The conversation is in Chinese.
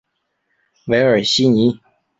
韦尔西尼。